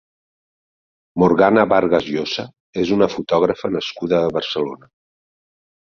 Morgana Vargas Llosa és una fotògrafa nascuda a Barcelona.